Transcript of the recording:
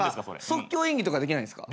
即興演技とかできないんすか？